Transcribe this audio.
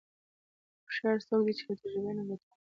هوښیار څوک دی چې له تجربې نه ګټه اخلي.